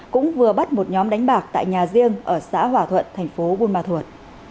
cũng vừa bắt một nhóm đánh bạc tại nhà riêng ở xã hòa thuận thành phố buôn ma thuột